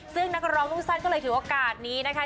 ซึ่งนักร้องนุ่งสั้นก็เลยถือโอกาสนี้นะคะ